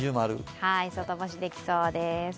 外干しできそうです。